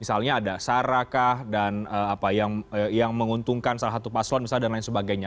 misalnya ada sarakah dan apa yang menguntungkan salah satu paslon misalnya dan lain sebagainya